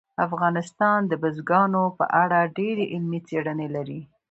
افغانستان د بزګانو په اړه ډېرې علمي څېړنې لري.